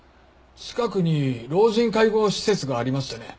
近くに老人介護施設がありましてね。